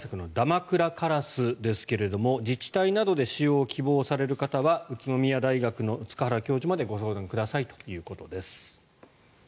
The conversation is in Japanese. まくらカラスですが自治体などで使用を希望される方は宇都宮大学の塚原教授までご相談くださいということです。